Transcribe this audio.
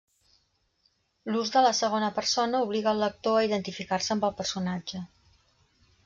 L'ús de la segona persona obliga el lector a identificar-se amb el personatge.